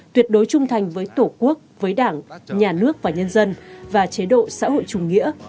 tuyệt đối trung thành với tổ quốc với đảng nhà nước và nhân dân và chế độ xã hội chủ nghĩa